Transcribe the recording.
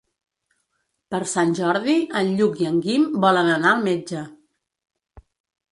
Per Sant Jordi en Lluc i en Guim volen anar al metge.